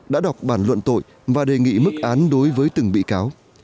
đã đọc bản luận tội và đề nghị mức án đối với từng bị cáo